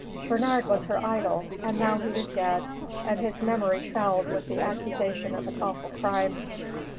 Bernard was her idol, and now he was dead, and his memory fouled with the accusation of an awful crime.